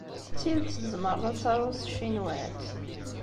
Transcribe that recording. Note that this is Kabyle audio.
D tidet tzemreḍ ad taruḍ s tcinwat?